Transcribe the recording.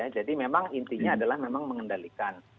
jadi memang intinya adalah memang mengendalikan